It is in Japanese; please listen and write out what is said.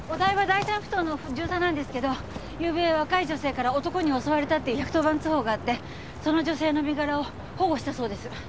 第三埠頭の巡査なんですけどゆうべ若い女性から男に襲われたっていう１１０番通報があってその女性の身柄を保護したそうです。